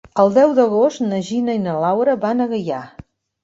El deu d'agost na Gina i na Laura van a Gaià.